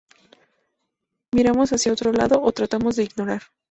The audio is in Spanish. Miramos hacia otro lado, o tratamos de ignorar.